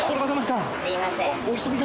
すいません。